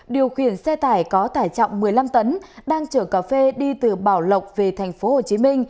điều khiển xe tải có tải trọng một mươi năm tấn đang chở cà phê đi từ bảo lộc về tp hcm